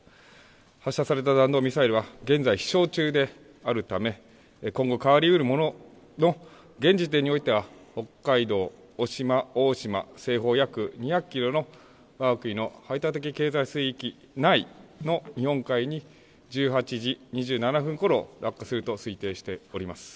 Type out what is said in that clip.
発射された弾道ミサイルは現在、飛しょう中であるため今後、変わりうるものの現時点においては北海道渡島大島西方約２００キロのわが国の排他的経済水域内の日本海に１８時２７分ごろ落下すると推定しております。